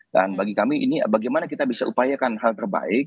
dan bagi kami ini bagaimana kita bisa upayakan hal terbaik